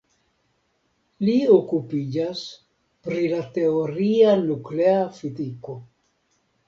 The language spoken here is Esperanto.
Li okupiĝas pri la teoria nuklea fiziko.